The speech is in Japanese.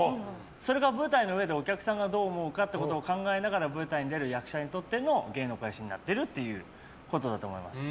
それが舞台の上で、お客さんがどう思うかってことを考えながら舞台に出る役者にとっての芸の肥やしになってるっていうことだと思います。